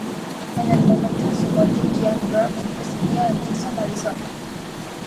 En el momento de su muerte Giant George residía en Tucson, Arizona.